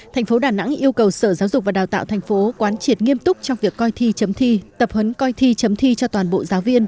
tp đà nẵng yêu cầu sở giáo dục và đào tạo tp quán triệt nghiêm túc trong việc coi thi chấm thi tập hấn coi thi chấm thi cho toàn bộ giáo viên